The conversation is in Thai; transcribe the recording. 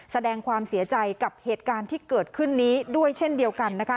แสดงความเสียใจกับเหตุการณ์ที่เกิดขึ้นนี้ด้วยเช่นเดียวกันนะคะ